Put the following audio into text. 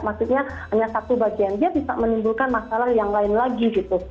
maksudnya hanya satu bagian dia bisa menimbulkan masalah yang lain lagi gitu